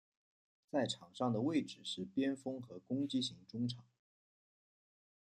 在场上的位置是边锋和攻击型中场。